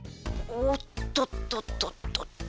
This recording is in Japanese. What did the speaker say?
おっとっとっとっとっと。